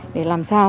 để làm sao